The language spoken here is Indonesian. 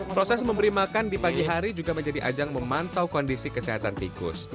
proses memberi makan di pagi hari juga menjadi ajang memantau kondisi kesehatan tikus